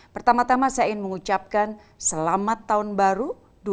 pertama tama saya ingin mengucapkan selamat tahun baru dua ribu dua puluh